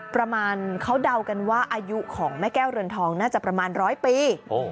ประมาณเขาเดากันว่าอายุของแม่แก้วเรือนทองน่าจะประมาณร้อยปี